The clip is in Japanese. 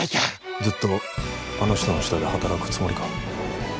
ずっとあの人の下で働くつもりか？